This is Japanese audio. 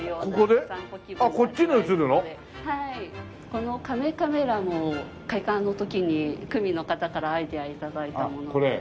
このカメカメラも開館の時に区民の方からアイデア頂いたものなんです。